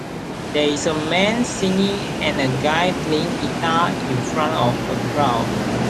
There is a man singing and a guy playing guitar in front of a crowd.